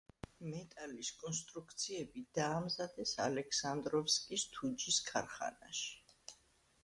მეტალის კონსტრუქციები დაამზადეს ალექსანდროვსკის თუჯის ქარხანაში.